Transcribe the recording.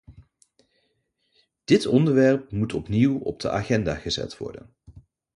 Dit onderwerpmoet opnieuw op de agenda gezet worden.